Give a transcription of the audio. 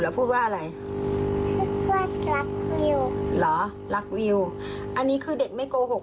พูดว่าอะไรพูดว่ารักวิวเหรอรักวิวอันนี้คือเด็กไม่โกหก